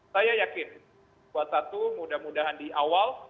saya yakin buat satu mudah mudahan di awal